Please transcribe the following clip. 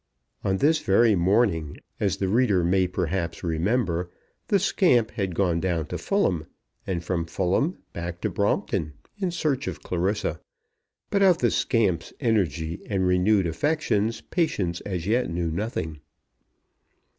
On this very morning, as the reader may perhaps remember, the scamp had gone down to Fulham, and from Fulham back to Brompton, in search of Clarissa; but of the scamp's energy and renewed affections, Patience as yet knew nothing.